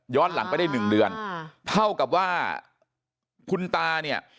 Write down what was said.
หลังไปได้หนึ่งเดือนเท่ากับว่าคุณตาเนี่ย